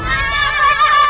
berarti itu pojok beneran